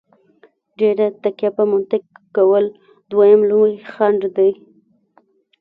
ډېره تکیه په منطق کول دویم لوی خنډ دی.